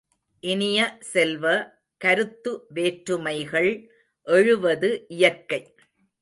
இனிய செல்வ, கருத்து வேற்றுமைகள் எழுவது இயற்கை.